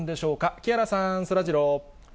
木原さん、そらジロー。